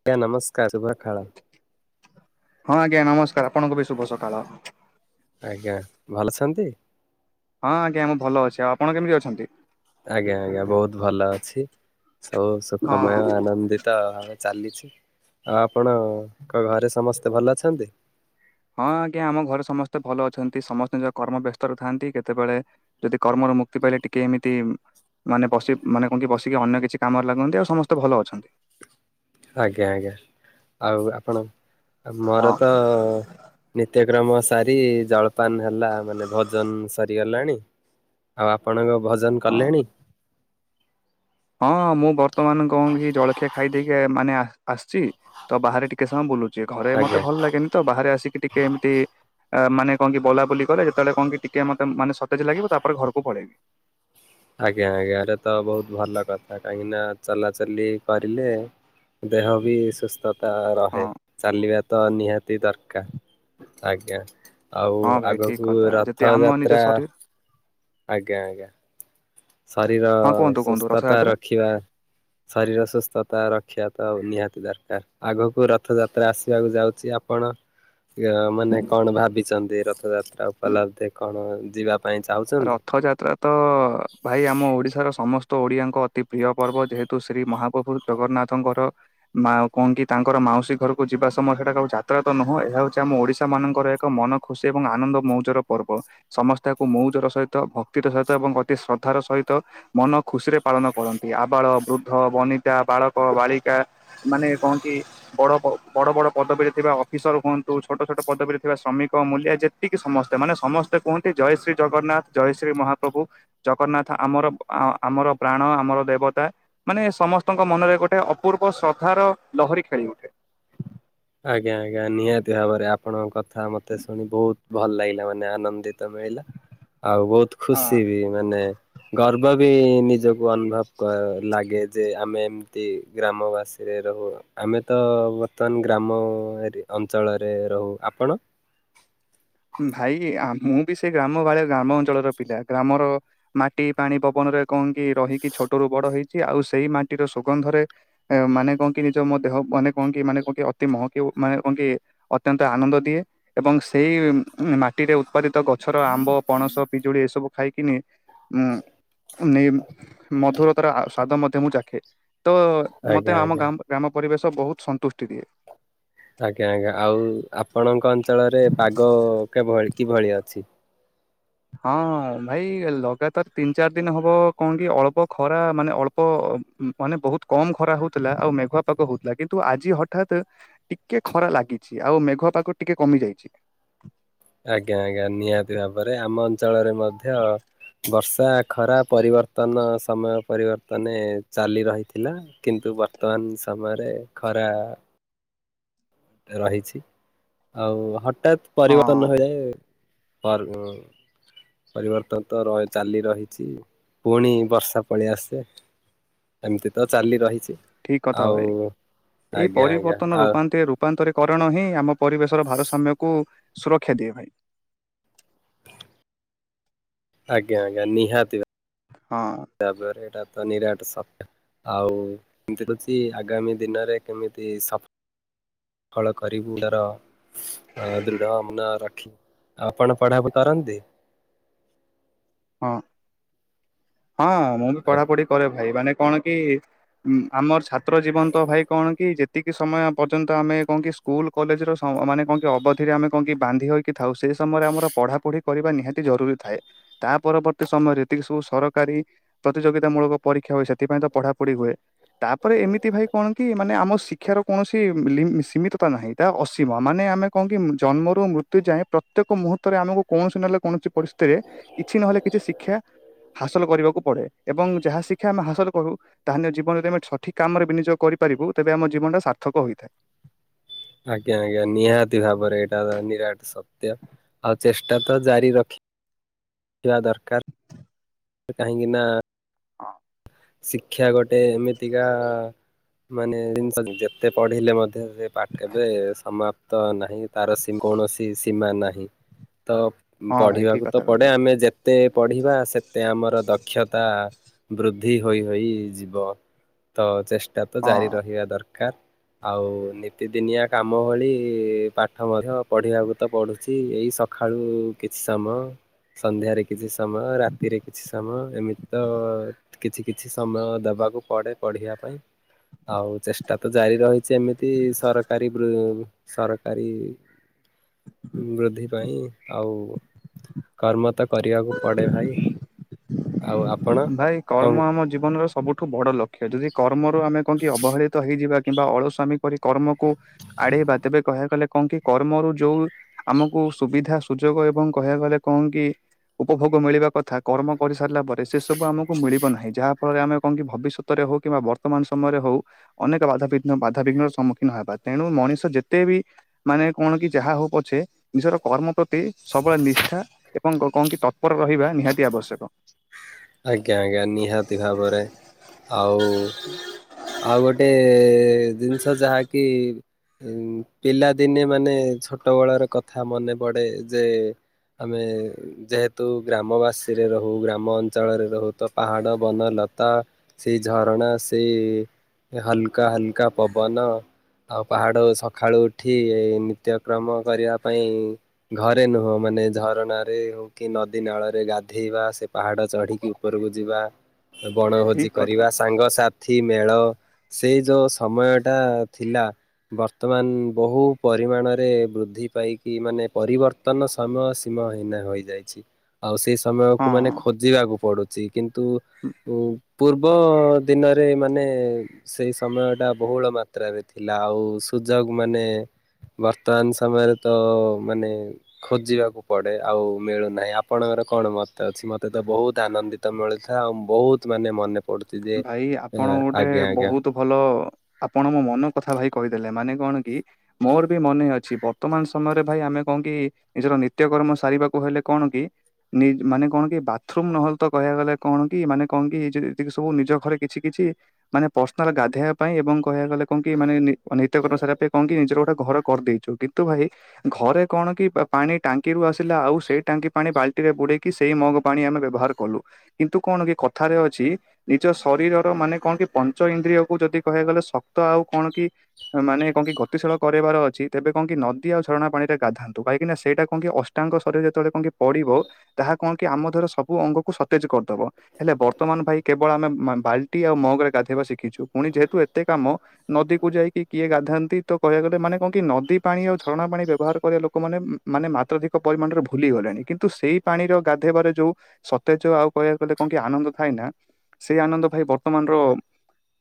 ଆଜ୍ଞା ନମସ୍କାର ଶୁଭ ସକାଳ। ହଁ ଆଜ୍ଞା ନମସ୍କାର୍ ଆପଣକୁ ବି ଶୁଭ ସକାଳ। ଆଜ୍ଞା ଭଲ ଅଛନ୍ତି। ହଁ ଆଜ୍ଞା ମୁଁ ଭଲ ଅଛି ଆଉ ଆପଣ କେମିତି ଅଛନ୍ତି। ଆଜ୍ଞା ଆଜ୍ଞା ବହୁତ ଭଲ ଅଛି ସଉ ହଁ। ସୁଖମୟ ଆନନ୍ଦିତ୍ ତା ଚାଲିଛି ଆ ଆପଣଙ୍କ ଘରେ ସମସ୍ତେ ଭଲ ଅଛନ୍ତି ତା ହଁ ଆଜ୍ଞା ଆମ ଘରେ ସମସ୍ତେ ନିଜ କର୍ମ ବେସ୍ତ ରେ ଥାନ୍ତି କେତେବେଳେ। ଯଦି କର୍ମରୁ ମୁକ୍ତି ପାଇଲେ ଟିକେ ଏମିତି ମାନେ ବସିି ମାନେ କୁହକି ବସିକି ଅନ୍ୟ କିଛି କାମରେ ଲାଗୁନ୍ତି ଆଉ ସମସ୍ତେ ଭଲ ଅଛନ୍ତି। ଆଜ୍ଞା ଆଜ୍ଞା ଆଉ ଆପଣ ମୋର ହଁ। ତ! ନିତ୍ୟକ୍ରମ ସାରି ଜଳପାନ ହେଲା ମାନେ ଭୋଜନ ସରିଗଲାଣି। ଆଉ ଆପଣଙ୍କ ଭୋଜନ ହଁ କଲେଣି। ହଁ ମୁଁ ବର୍ତ୍ତମାନ କଣ କି ଜଳଖିଆ ଖାଇ ଦେଇେଇକି ମାନେ ଆସିଛି ତ ବାହାରେ ଟିକେ ସମୟ ବୁଲୁଛି। ଯିଏ ଘରେ ଆଜ୍ଞା। ମତେ ଭଲ ଲାଗେନି ତ ବାହାରେ ଆସିକି ଟିକେ ଏମିତି ମାନେ କଣ କି ବଲା ବଲି କଲେ ଯେତେଳେ କଣ କି ଟିକେ ମତେଯେତେବେଳେ ସତେଜ ଲାଗିବ ତାପରେ ଘରକୁ ପଳେଇବି। ଆଜ୍ଞା ଆଜ୍ଞାରେ ତ ବହୁତ ଭଲ କଥା କାହିଁକି ନା ଚଲାଚଲି କରିଲେ ଦେହ ବି ସୁସ୍ଥତା, ତ ରହେ ହଁ। ଚାଲିବା ତ ନିହାତି ଦରକାର ଆଜ୍ଞା। ଆଉ ହଁ ଭାଇ ଠିକ ଆଗକୁ କଥା ଯଦି ରଥ ଆମ ନିଜ ଯାତ୍ରା? ଶରୀର ଆଜ୍ଞା ଆଜ୍ଞା। ଶରୀର ହଁ କୁହନ୍ତୁ କୁହନ୍ତୁ ସୁସ୍ଥତା ରଥଯାତ୍ରା ରଖିବା। [inaudible] ଶରୀର ସୁସ୍ଥତା ରଖିବା ତ ନିହାତି ଦରକାର। ଆଗକୁ ରଥଯାତ୍ରା ଆସିବାକୁ ଯାଉଛି। ଆପଣ ମାନେ କଣ ଭାବିଛନ୍ତି ରଥଯାତ୍ରା ଉପଲବ୍ଧେ କଣ ଯିବା ପାଇଁ ଚାହୁଁଛନ୍ତି? ରଥଯାତ୍ରା ତ। ଭାଇ ଆମ ଓଡ଼ିଶାର ସମସ୍ତ ଓଡ଼ିଆଙ୍କ ଅତି ପ୍ରିୟ ପର୍ବ ଯେହେତୁ ଶ୍ରୀ ମହାପଭୁ ଜଗନ୍ନାଥଙ୍କର। ମା ଆଉ କନ୍ କି ତାଙ୍କର ମାଉସୀ ଘରକୁ ଯିବା ସମୟ ସେଟା କଉ ଯାତାୟାତ ନୁହଁ ଏହା ହଉଛି ଆମ ଓଡ଼ିଶା ମାନଙ୍କର ଏ ମନଖୁସି ଏବଂ ଆନନ୍ଦ ମଉଜର ପର୍ବ ସମସସ୍ତେ ଆକୁ ମଉ ଜ ସହିତ ଭକ୍ତିର ସହିତ ଏବଂ ଅତି ଶ୍ରଦ୍ଧାର ସହିତ ମନ ଖୁସିରେ ପାଳନ କରନ୍ତି। ଆବାଳ ବୃଦ୍ଧ, ବନିତା, ବାଳକ, ବାଳିକା, ମାନେ କହନ୍ତି। ବଡ଼ ବଡ଼ ବଡ଼ ପଦବୀରେ ଥିବା ଅଫିସର ହୁହନ୍ତୁ ଛୋଟ ଛୋଟ ପଦବୀରେ ଥିବା ଶ୍ରମିକ ମୂଲ୍ୟ ଯେତେ ଟିକେ ସମସ୍ତେ ମାନେ ସମସ୍ତେ କୁହନ୍ତି ଜୟ ଶ୍ରୀ ଜଗନ୍ନାଥ ଜୟ ଶ୍ରୀ ମହାପ୍ରଭୁ। ଜଗନ୍ନାଥ ଆମର ଆମର ପ୍ରାଣ ଆମର ଦେବତା। ମାନେ ସମସ୍ତଙ୍କ ମନରେ ଗୋଟେ ଅପୂର୍ବ ଶ୍ରଦ୍ଧାର ଲହରୀ ଖେଳି ଉଠେ। ଆଜ୍ଞା ଆଜ୍ଞା ନିହାତି ଭାବରେ ଆପଣଙ୍କ କଥା ମୋତେ ଶୁଣି ବହୁତ ଭଲ ଲାଗିଲା ମାନେ ଆନନ୍ଦିତ ମିଳିଲା। ଆଉ ବହୁତ ହଁ। ଖୁସି ବି ମାନେ ଗର୍ବ ବି ନିଜକୁ ଅନୁଭବ ଲାଗେ, ଯେ ଆମେ- ଗ୍ରାମ ବାସୀରେ ରହୁ, ଆମେ ତ ବର୍ତ୍ତମାନ ଗ୍ରାମ ଅଞ୍ଚଳରେ ରହୁ। ଆପଣ? ଭାଇ ମୁଁ ବି ସେ ଗ୍ରାମବାଳିଆ ଗ୍ରାମ ଅଞ୍ଚଳର ପିଲା ଗ୍ରାମର ମାଟି ପାଣି ପବନରେ କଣ କି ରହିକି ଛୋଟରୁୁ ବଡ ହେଇଛି ଆଉ ସେଇ ମାଟିର ସୁଗନ୍ଧରେ ମାନେ କଣ କି ନିଜ ମୋ ଦେହ ମାନେ କଣ କି ମାନେ କଣ କି ଅତି ମହକି ମାନେ କଣ କି ଅତ୍ୟନ୍ତ ଆନନ୍ଦ ଦିଏ ଏବଂ ସେଇ ଉ ମାଟିରେ ଉତ୍ପାଦିତ ଗଛର ଆମ୍ବ ପଣସ ପିଜୁଳି ଏସବୁ ଖାଇକିନି ଉ ନେଇ ମଧୁରତାର ସ୍ୱାଦ ମଧ୍ୟ ମୁଁ ଚାଖେ ତ ଆଜ୍ଞା ମତେ ଆମ ଆଜ୍ଞା ଗ୍ରାମ ପରିବେଶ ବହୁତ ସନ୍ତୁଷ୍ଟି ଦିଏ ଆଜ୍ଞା ଆଜ୍ଞା ଆଉ ଆପଣଙ୍କ ଅଞ୍ଚଳରେ ପାଗଭଳି କିଭଳି ଅଛି ହଁ ଭାଇ ଲଗାତାର ତିନି ଚାରି ଦିନ ହବ କଣ କି ଅଳ୍ପ ଖରା ମାନେ ଅଳ୍ପ ମାନେ ବହୁତ କମ ଖରା ହଉଥିଲା ଆଉ ମେଘୁଆ ପାାଗ ହଉଥିଲା କିନ୍ତୁ ଆଜି ହଠାତ୍ ଟିକେ ଖରା ଲାଗିଛି ଆଉ ମେଘ ପାଖ ଟିକେ କମି ଯାଇଛି ଆଜ୍ଞା ଆଜ୍ଞା ନିହାତି ଭାବରେ ଆମ ଅଞ୍ଚଳରେ ମଧ୍ୟ ବର୍ଷା ଖରା ପରିବର୍ତନ ସମୟ ପରିବର୍ତ୍ତନେ ଚାଲି ରହିଥିଲା କିନ୍ତୁ ବର୍ତ୍ତମାନ ସମୟରେ ଖରା ରହିଛି ଆଉ ହଠାତ୍ ହଁ ପରିବର୍ତ୍ତନ ହୋଇଯାଏ ପରିବର୍ତ୍ତନତ ତ ଚାଲି ରହିଛି ପୁଣି ବର୍ଷା ପଳି ଆସିଲା ଏମତି ତ ଚାଲି ରହିଛି ଠିକ କଥା ଆଉ ଭାଇ ଏଇ ଆଜ୍ଞା ଆଜ୍ଞା ପରିବର୍ତ୍ତନ ଆଉ ରୂପାନ୍ତରେ ରୂପାନ୍ତରୀକରଣ ହିଁ ଆମ ପରିବେଶର ଭାରସାମ୍ୟକୁ ସୁରକ୍ଷା ଦିଏ ଭାଇ ପ [inaudible] ଆଜ୍ଞା ଆଜ୍ଞା ନିହାତି ହଁ ତାପରେ ଏଟା ତ ନିରାଟ ସଫ୍ ଆଉ ଏମତି କିଛି ଆଗାମୀ ଦିନରେ କେମିତି ସଫ ଫଳ କରିବୁ ଲାର ଦୃଢ ମାନ ରଖି ଆପଣ ପଢାପଢି କରନ୍ତି? ହଁ ହଁ ମୁଁ ବି ପଢାପଢି କରେ ଭାଇ ମାନେ କଣ କି ଆମର ଛାତ୍ର ଜୀବନ ତ ଭାଇ କଣ କି ଯେତିକି ସମୟ ପର୍ଯ୍ୟନ୍ତ ଆମେ କଣ କି ସ୍କୁଲ କଲେଜର ମାନେ କଣ କି ଅବଧିରେ ଆମେ କଣ କି ବାନ୍ଧି ହୋଇ କି ଥାଉ ସେଇ ସମୟରେ ଆମର ପଢାପଢି କରିବା ନିହାତି ଜରୁରୀ ଥାଏ ତା ପରବର୍ତ୍ତୀ ସମୟରେ ଏତିକି ସବୁ ସର କାରୀ ପ୍ରତିଯୋଗିତାମୂଳକ ପରୀକ୍ଷା ହୁଏ ସେଥିପାଇଁ ତ ପଢାପଢି ହୁଏ। ତାପରେ ଏମିତି ଭାଇ କଣ କି ମାନେ ଆମ ଶିକ୍ଷାର କୌଣସି ଲି ସୀମିତତା ନାହିଁ ତା ଅସୀମ ମାନେ ଆମେ କଣ କି ଜନ୍ମରୁ ମୃତ୍ୟୁ ଯାଏ ପ୍ରତ୍ୟେକ ମୁହୂର୍ତ୍ତରେ ଆମକୁ କୌଣସି ନହେଲେ କୌଣସି ପରିସ୍ଥିତିରେ କିଛି ନହେଲେ କିଛି ଶିକ୍ଷା ହାସଲ କରିବାକୁ ପଡେ ଏବଂ ଯାହା ଶିକ୍ଷା ଆମେ ହାସଲ କରୁ ତାହେନେ ଜୀବନ ଯଦି ଆମେ ସଠିକ୍ କାମରେ ବିନିଯୋଗ କରିପାରିବୁ ତେବେ ଆମ ଜୀବନଟା ସାର୍ଥକ ହୋଇଥାଏ। ଆଜ୍ଞା ଆଜ୍ଞା ନିହାତି ଭାବରେ ଏଇଟା ତ ନିରାଟ ସତ୍ୟ ଆଉ ଚେଷ୍ଟା ତ ଜାରି ରଖି ଇବା ଦରକାର। କାହିଁକି ନା ହଁ ଶିକ୍ଷା ଗୋଟେ ଏମିତିକା ମାନେ ଜିନିଷ ଯେତେ ପଢିଲେ ମଧ୍ୟ ସେ ସେ ପାଠ କେବେ ସମା ତ ନାହିଁ ତାର କୌଣସି ସୀମା ନାହିଁ ତ ହଁ ଭାଇ ଠିକ ପଢିବାକୁ କଥା ତ ପଡେ କହିଲେ ଆମେ ଯେତେ ପଢିବା ସେତେ ଆମର ଦକ୍ଷତା ବୃଦ୍ଧି ହୋଇ ହୋଇ ଯିବ ତ ଚେଷ୍ଟା ତ ଜାରି ହଁ। ରହିବା ଦରକାର। ଆଉ ନିତିଦିନିଆ କାମ ଭଳି ପାଠ ମଧ୍ୟ ପଢିବାକୁ ତ ପଡୁଛି ଏଇ ସ ଖାଳୁ କିଛି ସମୟ ସନ୍ଧ୍ୟାରେ କିଛି ସମୟ ରାତିରେ କିଛି ସମୟ ଏମିତି ତ କିଛି କିଛି ସମୟ ଦେବାକୁ ପଡେ ପଢିବା ପାଇଁ ଆଉ ଚେଷ୍ଟା ତ ଜାରି ରହିଛି ଏମି ନିମତି ସରକାରୀ ସରକାରୀ ବୃଦ୍ଧି ପାଇଁ ଆଉ। କର୍ମ ତ କରିବାକୁ ପଡେ ଭାଇ ଆଉ ଆପଣ? ଭାଇ କର୍ମ କଣ ଆମ ଜୀବନର ସବୁଠୁ ବଡ ଲକ୍ଷ୍ୟ ଯଦି କର୍ମରୁ ଆମେ କଣ କି ଅବହେଳିତ ହେଇଯିବା‌। କିମ୍ବା ଅଳସୁଆମୀ କରି କର୍ମକୁ ଆଡେଇବା ତେବେ କହିଆକୁ ଗଲେ କଣ କି କର୍ମରୁ ଯୋଉ। ଆମକୁ ସୁବିଧା ସୁଯୋଗ ଏବଂ କହିଆକୁ ଗଲେ କଣ କି। ଉପଭୋଗ ମିଳିବା କଥା କର୍ମ କରିସାରିଲା ପ ରେ ସେସବୁ ଆମକୁ ମିଳିବ ନାହିଁ ଯାହା ଫଳରେ ଆମେ କଣ କି ଭବିଷ୍ୟତରେ ହଉ କିମ୍ବା ବର୍ତ୍ତମାନ ସମୟରେ ହଉ। ଅନେକ ବାଧାବିଘ୍ନ ବାଧାବିଘ୍ନ ର ସମ୍ମୁଖୀନ ହେବା ତେଣୁ ମଣିଷ ଯେତେ ବି। ମାନେ କଣ କି ଯାହା ହଉ ପଛେ ନିଜର କର୍ମ ପ୍ରତି ସବୁବେଳେ ନିଷ୍ଠା। ଏବଂ କଣ କି ତତ୍ପର ରହିବା ନିହାତି ଆବଶ୍ୟକ। ଆଜ୍ଞା ଆଜ୍ଞା ନିହାତି ଭାବରେ ଆଉ। ଆଉ ଗୋଟେ ଜିନିଷ ଯାହାକି। ଏଁ ପିଲାଦିନେ ମାନେ ଛୋଟବେଳର କଥା ମନେପଡେ ଯେ। ଆମେ ଯେହେତୁ ଗ୍ରାମବାସୀରେ ରହୁ ଗ୍ରାମ ଅ ଅଞ୍ଚଳରେ ରହୁ ତ ପାହାଡ ବନଲତା ସେଇ ଝରଣା ସେଇ। ହଲକା ହଲକା ପବନ। ଆଉ ପାହାଡ ରେ ସଖାଳୁ ଉଠି ଏ ନିତ୍ୟକ୍ରମ କରିବା ପାଇଁ। ଘରେ ନୁହଁ ମାନେ ଝରଣାରେ ହଉ କି ନଦୀ ନାଳରେ ଗାଧେଇବା ସେ ପାହାଡ। ଚଢିକି ଉପରକୁ ଯିବା ବଣଭୋଜି ଠିକ କଥା। କରିବା ସାଙ୍ଗସାଥି ମେଳ ସେଇ ଯୋଉ ସମୟ ଟା ଥିଲା। ବର୍ତ୍ତମାନ ବହୁ ପରିମାଣରେ ବୃଦ୍ଧି ପାଇକି ମାନେ ପରିବ ତନ ସମୟ ସୀମ ହିନା ହୋଇଯାଇଛି ଆଉ ସେଇ ସମୟକୁ ମାନେ। ହଁ। ଖୋଯିବାକୁ ପଡୁଛି କିନ୍ତୁ ଉ ପୂର୍ବ ଦିନରେ ମାନେ। ସେଇ ସମୟ ଟା ବହୁଳ ମାତ୍ରାରେ ଥିଲା ଆଉ ସୁଯୋଗ ମାନେ। ବର୍ତ୍ତମାନ ସମୟରେ ତ ମାନେ। ଖୋଜିବାକୁ ପଡେ ଆଉ ମିଳୁନାହିଁ ଆପଣଙ୍କର କଣ ମତ ଅଛି ମତେ। ମତେ ତ ବହୁତ ଆନନ୍ଦିତ ମିଳିୁଥାଏ ଆଉ ବହୁତ ମାନେ ମନେ ପଡୁଛି ଯେ ଭାଇ ଆପଣ ଗୋଟେ ଆଜ୍ଞା ଆଜ୍ଞା ବହୁତ। ଭଲ ଆପଣ ମୋ ମନ କଥା ଭାଇ କହିଦେଲେ ମାନେ କଣ କି। ମୋର ବି ମନେ ଅଛି ବର୍ତ୍ତମାନ ସମୟରେ ଭାଇ ଆମେ କଣ କି। ନିଜର ନିତ୍ୟ କରର୍ମ ସାରିବାକୁ ହେଲେ କଣ କି। ନି ମାନେ କଣ କି ବାଥରୁମ ନହେଲେ ତ କହିବା ଗଲେ କଣ କି ମାନେ କଣ କି ଯେ ସବୁ ନିଜ ଘରେ କିଛି କିଛି। ମାନେ ପର୍ସନାଲ ଗାଧେଇବା ପାଇଁ ଏବଂ କହିବା ଗଲେ କଣ କି ମାନେ ନିତ୍ୟକର୍ମ ସାରିବା ପାଇଁ କଣ କି ନିଜର ଗୋଟେ ଘର କରିଦେଇଛୁ କିନ୍ତ। ତୁ ଭାଇ। ଘରେ କଣ କି ପାଣି ଟାଙ୍କିରୁୁ ଆସିଲା ଆଉ ସେଇ ଟାଙ୍କି ପାଣି ବାଲ୍ଟିରେ ବୁଡେଇକି ସେଇ ମଗ। ପାଣି ଆମେ ବ୍ୟବହାର କଲୁ କିନ୍ତୁ କଣ କି କଥାରେ ଅଛି। ନିଜ ଶରୀରର ମାନେ କଣ କି ପଞ୍ଚ ଇନ୍ଦ୍ରିୟକୁ ଯଦି କହିବା ଗଲେ ଶକ୍ତ ଆଉ କଣ କି। ମାନେ କଁ କି ଗତିଶୀଳ କରିବାର ଅଛି ତେବେ କଁ କି ନଦୀଉ ଝରଣା ପାଣିରେ ଗାଧନ୍ତୁ କାହିଁକି ନା ସେଇଟା କଁ କି। ଅଷ୍ଟାଙ୍ଗ ଶରୀର ଯେତେବେଳେ କଁ କି ପଡ଼ିବ। ତାହା କଣ କି ଆମ ଦେହର ସବୁ ଅଙ୍ଗକୁ ସତେଜ କରିଦବ ହେଲେ ବର୍ତ୍ତମାନ ଭାଇ। କେବଳ ଆମେ ମେ ମ ବାଲ୍ଟି ଆଉ ମଗ ରେ ଗାଧେଇବା ଶିଖିଛୁ ପୁଣି ଯେହେତୁ ଏତେ କାମ। ନଦୀକୁ ଯାଇକି କିଏ ଗାଧାନ୍ତି ତ କହିବାକୁ ଗଲେ ମାନେ କଁ କି ନଦୀ ପାଣି ଆଉ ଝରଣା ପାଣି ବ୍ୟବହାର କରିବା ଲୋକମାନେ। ମାନେ ମାତ୍ରାଧିକ ପରିମାଣରେ ଭୁଲି ଗଲେଣି କିନ୍ତୁ ସେଇ ପାଣିର ଗାଧେଇବାରେ ଯୋଉ। ସତେଜ ଆଉ କହିବାକୁ ଗଲେ କଁ ଆନନ୍ଦ ଥାଏ ନା। ସେଇ ଆନନ୍ଦ ଭାଇ ବର୍ତ୍ତମାନର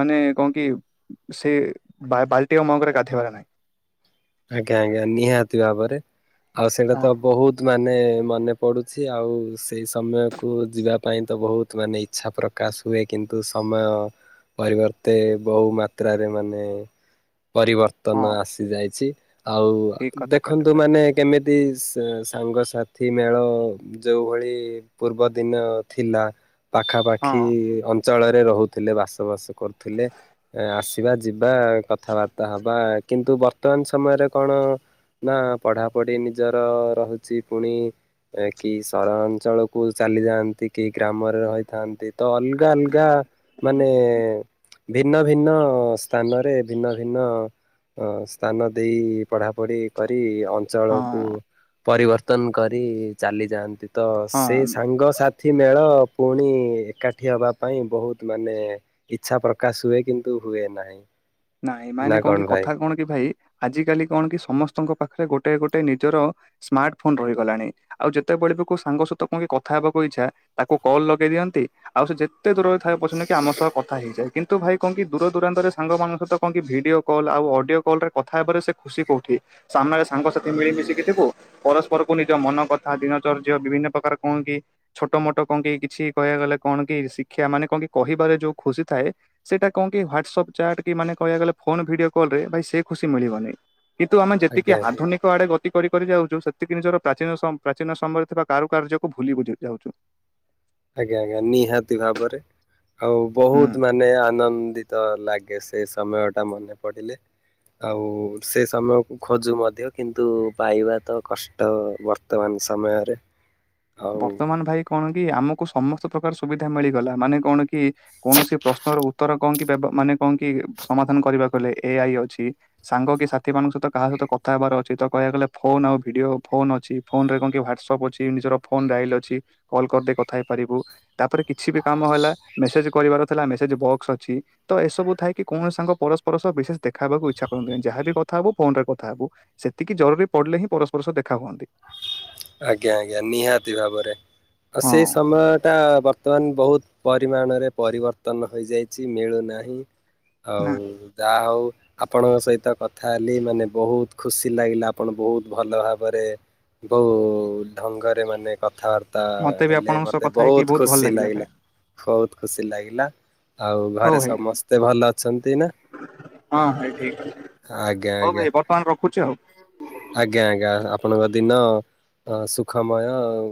ମାନେ କଁ କି। ସେ ବା ବାଲ୍ଟି ଆଉ ମଗ ରେ ଗାଧେଇବାର ନାହିଁ। ଆଜ୍ଞା ଆଜ୍ଞା ନିହାତି ଭାବରେ ଆଉ ସେଇଟା ତ ହଁ ବହୁତ ମା ନେ ମନେ ପଡ଼ୁଛି ଆଉ ସେଇ ସମୟକୁ ଯିବା ପାଇଁ ତ ବହୁତ ମାନେ ଇଚ୍ଛା ପ୍ର କାଶ ହୁଏ କିନ୍ତୁ ସମୟ ପରିବର୍ତ୍ତେ ବହୁ ମାତ୍ରାରେ ମାନେ। ହଁ। ପରିବର୍ତ୍ତନ ଆସି ଯାଇଛି ଆଉ ଠିକ କଥା କହିଲେ ଦେଖନ୍ତୁ ଭାଇ। ମାନେ କେମିତି ସାଙ୍ଗସାଥି ମେଳ ଯଉଁଭଳି ପୂର୍ବ ଦିନ ଥିଲା ହଁ ପାଖାପାଖି ଅଞ୍ଚଳରେ ରହୁଥିଲେ ବାସବାସି କରୁଥିଲେ ଆସିବା ଯିବା କଥାବାର୍ତ୍ତା ହବା କିନ୍ତୁ ବର୍ତ୍ତମାନ ସମୟରେ କଣ ନା ପଢ଼ାପଢି ନିଜର ରହୁଛି ପୁଣି ଏ କି ସହରାଞ୍ଚଳକୁ ଚାଲି ଯାଆନ୍ତି କି ଗ୍ରାମରେ ରହିଥାନ୍ତି ତ ଅଲଗା ଅଲଗା ମାନେ ଭିନ୍ନ ଭିନ୍ନ ସ୍ଥାନରେ ଭିନ୍ନ ଭିନ୍ନ ଅ ସ୍ଥାନ ଦେଇ ପଢାପଢି କରି ହଁ ଅଞ୍ଚଳକୁ ପରିବର୍ତ୍ତନ କରି ଚାଲି ଯାଆନ୍ତି ତ ସେ ହଁ ସାଙ୍ଗସାଥି ଏଥି ମେଳ ପୁଣି ଏକାଠି ହେବା ପାଇଁ ବହୁତ ମାନେ ଇଚ୍ଛା ପ୍ରକାଶ ହୁଏ କିନ୍ତୁ ହୁଏ ନାହିଁ ନାଇଁ ନା ମାନେ କଣ କି ଭାଇ? କଥା କଣ କି ଭାଇ ଆଜିକାଲି କଣ କି ସମସ୍ତଙ୍କ ପାଖରେ ଗୋଟେ ଗୋଟେ ନିଜର ସ୍ମାର୍ଟ ଫୋନ ରହିଗଲାଣି। ଆଉ ଯେତେବେଳେ ବି କଉ ସାଙ୍ଗସହିତ କୁକି କଥା ହେବାକୁ ଇଚ୍ଛା ତାକୁ କଲ୍ ଲଗେଇ ଦିଅନ୍ତି। ଆଉ ସେ ଯେତେ ଦୂରରେ ଥାଏ ପଛନ୍ଦ କି ଆମ ସହ କଥା ହେଇଯାଏ କିନ୍ତୁ ଭାଇ କହ କି ଦୂର ଦୂରାନ୍ତରେ ସାଙ୍ଗମାନାନଙ୍କ ସତ କଣ କି ଭିଡିଓ କଲ୍ ଆଉ ଅଡିଓ କଲ ରେ କଥା ହେବାରେ ସେ ଖୁସି କଉଠି ସାମ୍ନାରେ ସାଙ୍ଗସାଥି ମିଳିମଶିକି ଜିବୁ ପରସ୍ପରକୁ ନିଜ ମନ କଥା ଦିନଚର୍ଯ୍ୟ୍ୟା ବିଭିନ୍ନ ପ୍ରକାର କଣ କି ଛୋଟ ମୋଟ କଣ କି କିଛି କହିବାକୁ ଗଲେ କଣ କି ଶିକ୍ଷା ମାନେ କଣ କି କହିବାରେ ଯୋଉ ଖୁସି ଥାଏ ସେଇଟା କଣ କି ହ୍ୱାଟସପ୍ ଚାଟ୍ ଫୋନେ କହିବା ଗଲେ ଫୋନ ଭିଡିଓ କଲ ରେ ଭାଇ ସେ ଖୁସି ମିଳିବନି କିନ୍ତୁ ଆମେ ଆଜ୍ଞା ଯେତିକି ଆଜ୍ଞା। ଆଧୁନିକ ଆଡେ ଗତି କରି କରି ଯାଉଛୁ ସେତିକି ନିଜର ପ୍ରାଚୀନ ପ୍ରାଚୀନ ସମୟରେ ଥିବା କାରୁକାର୍ଯ୍ୟକୁୁ ଭୂଲି ବୁଝ ଯାଉଛୁ। ଆଜ୍ଞା ଆଜ୍ଞା ନିହାତି ଭାବରେ ଆଉ ହୁଁ। ବହୁତ ମାନେ ଆନନ୍ଦିତ ତ ଲାଗେ ସେଇ ସମୟ ଟା ମନେ ପଡ଼ିଲେ ଆଉ ସେ ସମୟକୁ ଖୋଜୁ ମଧ୍ୟ କିନ୍ତୁ ପାଇବା ତ କଷ୍ଟ ବର୍ତ ବର୍ତ୍ତମାନ ସମୟରେ ହଉ ବର୍ତ୍ତମାନ ଭାଇ କଣ କି ଆମକୁ ସମସ୍ତ ପ୍ରକାର ସୁବିଧା ମିଳିଗଲା ମାନେ କଣ କି କି କୌଣସି ପ୍ରଶ୍ନର ଉତ୍ତର କଣ କି ମାନେ କଣ କି ସମାଧାନ କରିବାକୁ ହେଲେ ଏ ଆଇ ଅଛି। ସାଙ୍ଗ କି ସାଥିୀ ମାନଙ୍କ ସହିତ କାହା ସହିତ କଥା ହେବାର ଅଛି ତ କହିବାକୁ ଗଲେ ଫୋନ ଆଉ ଭିଡିଓ ଫୋନ ଅଛି। ଫୋନରେ କଣ କି ହ୍ୱାଟସପ୍ ଅଛି ନିଜର ଫୋନ ଡାୟଲ ଅଛି କଲ୍ କରିଦେଇ କଥା ହେଇପାରିବୁ ତାପରେ କିଛି ବି କାମ ହେଲା ମେସେଜ କରିବାର ଥିଲା ମେସେଜ୍ ବକ୍ସ ଅଛି। ତ ଏସବୁ ଥାଏକ କି କୌଣସି ସାଙ୍ଗ ପରସ୍ପର ସହ ବିଶେଷ ଦେଖାଇବାକୁ ଇଚ୍ଛା କରନ୍ତିୁନି ଯାହା ବି କଥାବ ଫୋନ ରେ କଥା ହବୁ ସେତିକି ଜରୁରୀ ପଡିଲେ ହିଁ ପରସ୍ପର ସ ସହ ଦେଖା ହୁଅନ୍ତି। ଆଜ୍ଞା ଆଜ୍ଞା ନିହାତି ଭାବରେ ଆଉ ହଁ ସେଇ ସମୟଟା ବର୍ତ୍ତମାନ ବହୁତ ପରିମାଣରେ ପରିବର୍ତ୍ତନ ହୋଇଯାଇଛି ମିଳୁନାହିଁ ଆଉ ନା। ଯାହା ହଉ ଆପଣଙ୍କ ସହିତ କଥା ହେଲି ମାନେ ବହୁତ ଖୁସି ଲାଗିଲା ଆପଣ ବହୁତ ଭଲ ଭାବରେ ବୋ ଢଙ୍ଗରେ ମାନେ କଥାବାର୍ତ୍ତା ମତେ ବି ହେଲେ ଆପଣଙ୍କ ସହ ମତେ କଥା ହେଇକି ବହୁତ ଭଲ ଖୁସି ଲାଗିଲା। ଭାଇ। ବହୁତ ଖୁସି ଲାଗିଲା ଆଉ ହଉ ଘରେ ଭାଇ ସମସ୍ତେ ଭଲ ଅଛନ୍ତି ନା ହଁ ଭାଇ ଠିକ ଆଜ୍ଞା ହଉ ଆଜ୍ଞା ଭାଇ ବର୍ତ୍ତମାନ ରଖୁଛି ଆଉ। ଆଜ୍ଞା ଆଜ୍ଞା ଆପଣଙ୍କ ଦିନ ସୁଖମୟ।